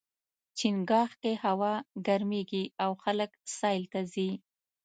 چنګاښ کې هوا ګرميږي او خلک سیل ته ځي.